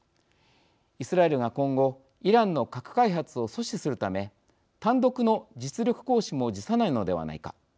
イスラエルが今後イランの核開発を阻止するため単独の実力行使も辞さないのではないか。